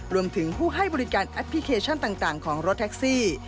รวมถึงผู้ให้บริการแอปพลิเคชันต่างของรถแท็กซี่